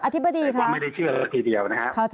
แต่ผมไม่ได้เชื่อทีเดียว